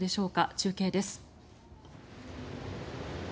中継です。